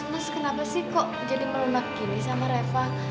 mas kenapa sih kok jadi melenak gini sama reva